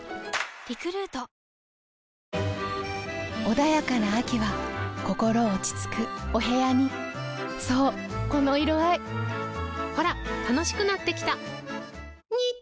穏やかな秋は心落ち着くお部屋にそうこの色合いほら楽しくなってきた！